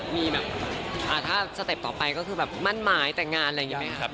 มีแบบถ้าสเต็ปต่อไปก็คือแบบมั่นหมายแต่งงานอะไรอย่างนี้ไหมครับ